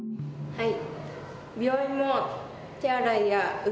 はい。